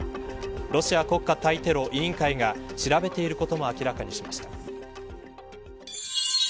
ロシア国家対テロ委員会が調べていることも明らかにしました。